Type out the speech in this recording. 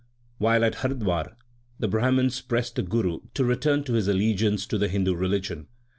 2 While at Hardwar the Brahmans pressed the Guru to return to his allegiance to the Hindu religion.